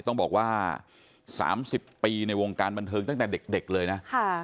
ต้องบอกว่า๓๐ปีในวงการบันเทิงตั้งแต่เด็กเลยนะ